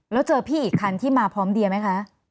แล้วเจอพี่อีกคันที่มาพร้อมเดียไหมคะ